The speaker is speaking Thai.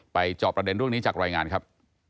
จอบประเด็นเรื่องนี้จากรายงานครับ